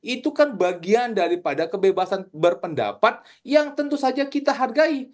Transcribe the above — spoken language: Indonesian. itu kan bagian daripada kebebasan berpendapat yang tentu saja kita hargai